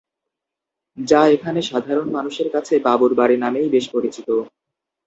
যা এখানে সাধারণ মানুষের কাছে বাবুর বাড়ি নামেই বেশ পরিচিত।